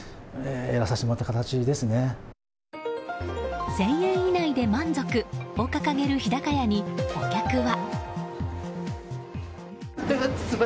１０００円以内で満足を掲げる日高屋に、お客は。